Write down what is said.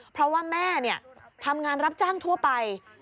เพราะว่าแม่ทำงานรับจ้างทั่วไป